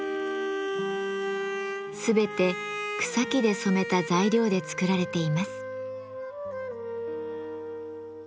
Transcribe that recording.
全て草木で染めた材料で作られています。